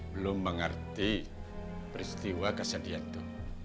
belum mengerti peristiwa kasediaan itu